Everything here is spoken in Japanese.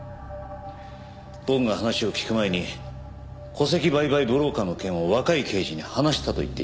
僕が話を聞く前に戸籍売買ブローカーの件を若い刑事に話したと言っていた。